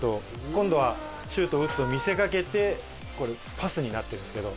今度はシュートを打つと見せかけてこれパスになってるんですけど。